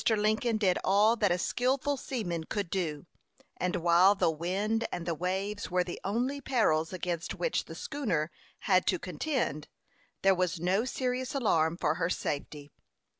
Lincoln did all that a skilful seaman could do, and while the wind and the waves were the only perils against which the schooner had to contend, there was no serious alarm for her safety.